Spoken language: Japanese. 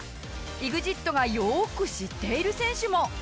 ＥＸＩＴがよーく知っている選手も。